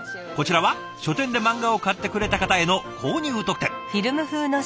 こちらは書店で漫画を買ってくれた方への購入特典。